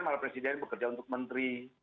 malah presiden bekerja untuk menteri